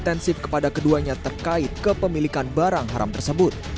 penyidik juga mencari penyidik yang berpengalaman